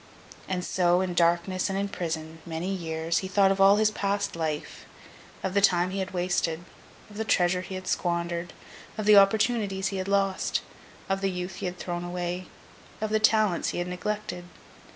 And so, in darkness and in prison, many years, he thought of all his past life, of the time he had wasted, of the treasure he had squandered, of the opportunities he had lost, of the youth he had thrown away, of the talents he had neglected.